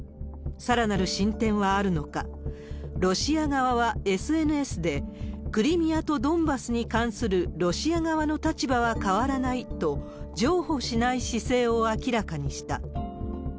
さらなる進展はあるのか、ロシア側はＳＮＳで、クリミアとドンバスに関するロシア側の立場は変わらないと、譲歩しない姿勢を明らかにした。